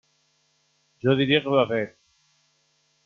Jo diria que va pet.